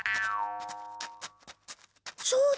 そうだ。